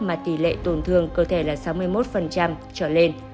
mà tỷ lệ tổn thương cơ thể là sáu mươi một trở lên